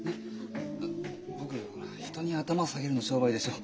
僕ほら人に頭下げるの商売でしょ？